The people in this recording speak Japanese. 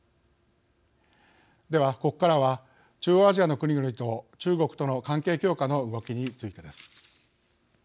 ではここからは中央アジアの国々と中国との関係強化の動きについてです。